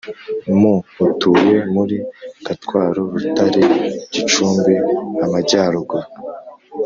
mu utuye muri Gatwaro, Rutare, Gicumbi, Amajyaruguru